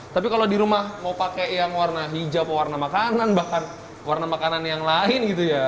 tapi kalau di rumah mau pakai yang warna hijau pewarna makanan bahkan warna makanan yang lain gitu ya